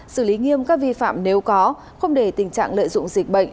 xử lý nghiêm các vi phạm nếu có không để tình trạng lợi dụng dịch bệnh